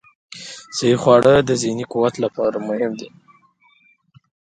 صحي خواړه د ذهني قوت لپاره مهم دي.